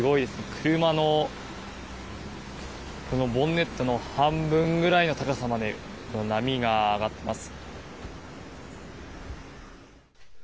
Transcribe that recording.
車のボンネットの半分くらいの高さまで波が上がっています。